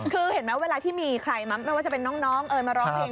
คือเห็นไหมเวลาที่มีใครไม่ว่าจะเป็นน้องเอ๋ยมาร้องเพลง